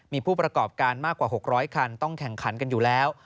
มีผู้ประกอบการมากกว่า๖๐๐คันต้องแข่งขันกันอยู่แล้ว